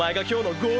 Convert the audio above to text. ゴール！！